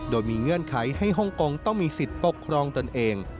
โดยมีเงื่อนไขให้ฮ่องกงต้องมีสิทธิ์ปกครองตนเอง